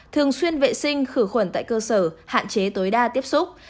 thường xuyên vệ sinh khử khuẩn tại cơ sở hạn chế tối đa tiếp xúc